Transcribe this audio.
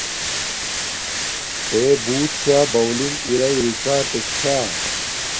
تݺ بݸُت شݳ بݳݸلنݣ ارݳئی رݵکݳٹݵک چھݳ؟